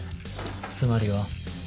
つまりは。